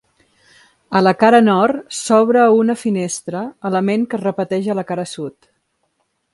A la cara nord s'obre una finestra, element que es repeteix a la cara sud.